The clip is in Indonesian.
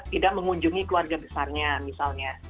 tidak mengunjungi keluarga besarnya misalnya